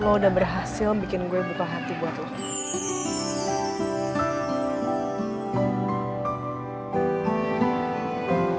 lu udah berhasil bikin gua buka hati buat lu